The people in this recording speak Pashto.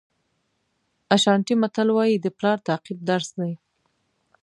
اشانټي متل وایي د پلار تعقیب درس دی.